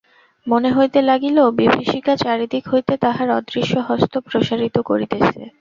মনে হইতে লাগিল, বিভীষিকা চারিদিক হইতে তাহার অদৃশ্য হস্ত প্রসারিত করিতেছে।